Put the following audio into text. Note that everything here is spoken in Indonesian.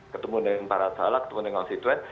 ketemu dengan para salah ketemu dengan konstituen